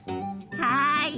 はい！